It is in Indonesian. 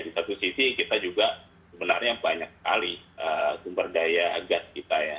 di satu sisi kita juga sebenarnya banyak sekali sumber daya gas kita ya